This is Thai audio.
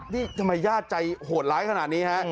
นี่ทำไมญาติใจโหดร้ายขนาดนี้ฮะ